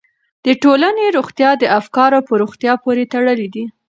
د ټولنې روغتیا د افکارو په روغتیا پورې تړلې ده.